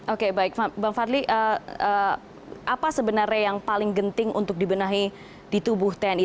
oke baik bang fadli apa sebenarnya yang paling genting untuk dibenahi di tubuh tni